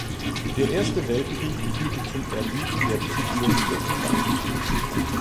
Der Erste Weltkrieg führte zum Erliegen der zivilen Luftfahrt.